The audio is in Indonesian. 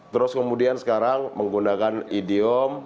terus kemudian sekarang menggunakan idiom